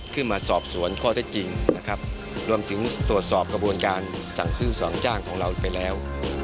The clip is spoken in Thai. มาสอบสวนข้อเท็จจริงนะครับรวมถึงตรวจสอบกระบวนการสั่งซื้อสองจ้างของเราไปแล้ว